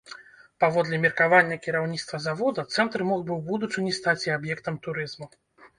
Паводле меркавання кіраўніцтва завода, цэнтр мог бы ў будучыні стаць і аб'ектам турызму.